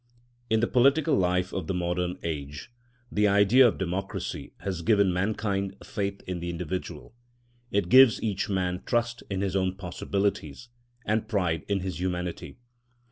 In the political life of the modern age the idea of democracy has given mankind faith in the individual. It gives each man trust in his own possibilities, and pride in his humanity.